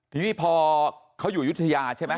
ทีนี้พอเขาอยู่ยุธยาใช่ไหม